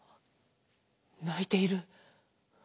ないている。